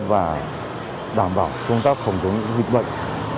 và đảm bảo công tác phòng chống dịch bệnh